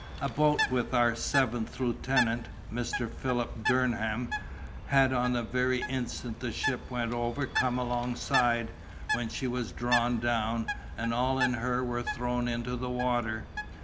A boat with our seventh lieutenant, Mr. Philip Durham, had on the very instant the ship went over come alongside, when she was drawn down, and all in her were thrown into the water.